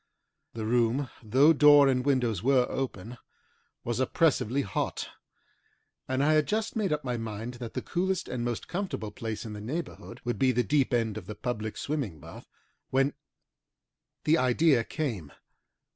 The room, though door and windows were open, was oppressively hot, and I had just made up my mind that the coolest and most comfortable place in the neighbourhood would be the deep end of the public swimming bath, when the idea came.